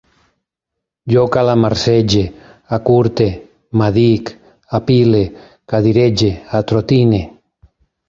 Jo calamarsege, acurte, m'adic, apile, cadirege, atrotine